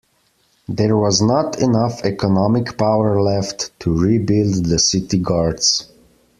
There was not enough economic power left to rebuild the city guards.